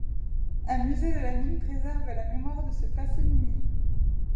Un musée de la mine préserve la mémoire de ce passé minier.